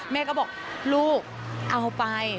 แม่ก็บอกลูกเอาไป